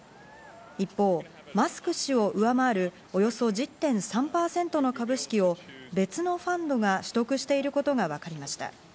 一方、マスク氏を上回るおよそ１０．３％の株式を、別のファンドが取得していることがわかりました。